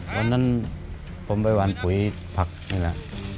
วันนั้นผมไปหวานปุ๋ยผักนี่แหละ